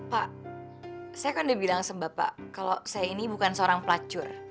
pak saya kan udah bilang sama bapak kalau saya ini bukan seorang pelacur